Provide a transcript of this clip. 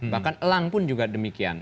bahkan elang pun juga demikian